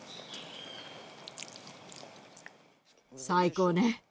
最高ね！